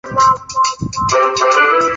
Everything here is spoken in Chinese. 郑君炽生于香港。